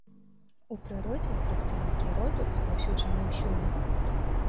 У прыродзе прадстаўнікі роду распаўсюджаны ўсюды.